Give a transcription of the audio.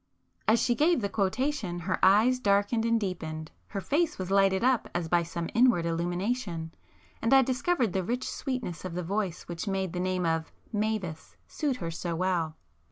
'" As she gave the quotation, her eyes darkened and deepened,—her face was lighted up as by some inward illumination,—and I discovered the rich sweetness of the voice which made the name of 'Mavis' suit her so well.